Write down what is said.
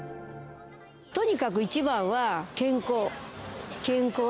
とにかく一番は健康。